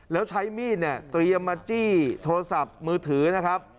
แล้วใช้มีดเนี่ยเตรียมมาจี้โทรศัพท์มือถือนะครับ